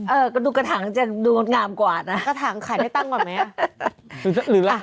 กระดูกกระถางจะดูงามกว่านะกระถางขายได้ตั้งก่อนไหมอ่ะ